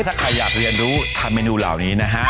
ถ้าใครอยากเรียนรู้ทำเมนูเหล่านี้นะฮะ